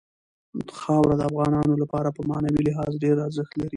خاوره د افغانانو لپاره په معنوي لحاظ ډېر ارزښت لري.